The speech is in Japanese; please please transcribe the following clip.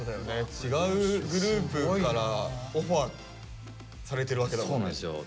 違うグループからオファーされてるわけだもんね。